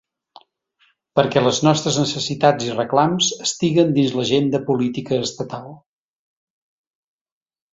Perquè les nostres necessitats i reclams estiguen dins l’agenda política estatal.